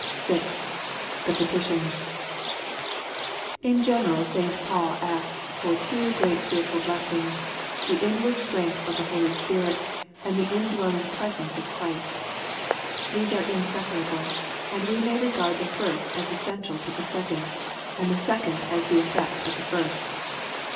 6. The Petitions. In general St. Paul asks for two great spiritual blessings, the inward strength of the H0I7 Spirit and the indwelling presence of Christ. These are inseparable, and we may regard the first as essential to the second, and the second as the effect of the first.